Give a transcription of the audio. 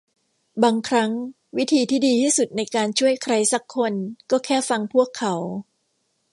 บางครั้งวิธีที่ดีที่สุดในการช่วยใครซักคนก็แค่ฟังพวกเขา